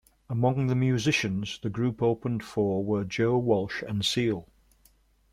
Among the musicians the group opened for were Joe Walsh and Seal.